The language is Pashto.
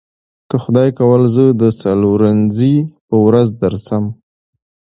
که خدای کول زه د څلورنیځې په ورځ درسم.